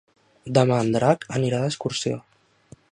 Demà en Drac anirà d'excursió.